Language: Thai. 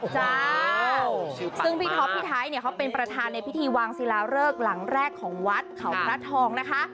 ซึ่งพี่ท็อปพี่ไทเป็นประธานในพิธีวางศิลาเริกหลังแรกของวัดเขาพระทอง